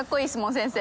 先生。